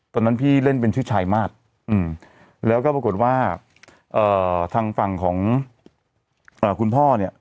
ตอนนั้นพี่เล่นเป็นชื่อชายมาสแล้วก็ปรากฏว่าทางฝั่งของคุณพ่อเนี่ย